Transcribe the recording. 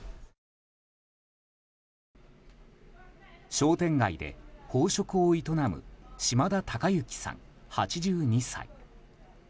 商店街で宝飾を営む嶋田高幸さん、８２歳。